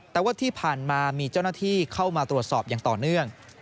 แต่ว่าที่ผ่านมามีเจ้าหน้าที่เข้ามาตรวจสอบอย่างต่อเนื่อง